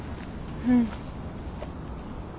うん。